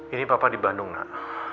ini bapak di bandung nak